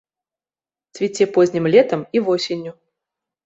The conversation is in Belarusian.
Цвіце познім летам і восенню.